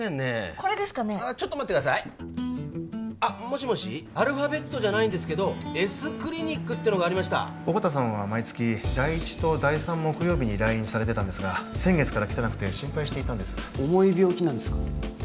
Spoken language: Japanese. これですかねちょっと待ってくださいあっもしもしアルファベットじゃないんですけど恵須クリニックってのがありました緒方さんは毎月第１と第３木曜日に来院されてたんですが先月から来てなくて心配していたんです重い病気なんですか？